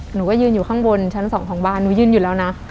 หนูก็ยืนอยู่ข้างบนชั้นสองของบ้านหนูยืนอยู่แล้วนะ